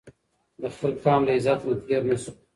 د خپل قام له عزت نه تېر نه سو